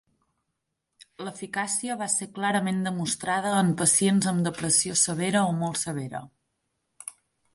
L'eficàcia va ser clarament demostrada en pacients amb depressió severa o molt severa.